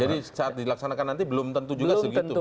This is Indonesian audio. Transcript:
jadi saat dilaksanakan nanti belum tentu juga segitu